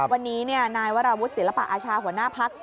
วันนี้นายวราวุฒิศิลปะอาชาหัวหน้าพัก